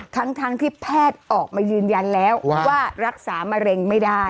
ทั้งที่แพทย์ออกมายืนยันแล้วว่ารักษามะเร็งไม่ได้